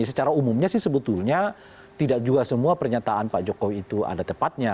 secara umumnya sih sebetulnya tidak juga semua pernyataan pak jokowi itu ada tepatnya